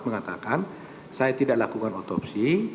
mengatakan saya tidak lakukan otopsi